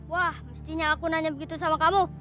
wah mestinya aku nanya begitu sama kamu